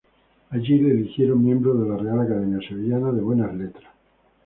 Allí le eligieron miembro de la Real Academia Sevillana de Buenas Letras.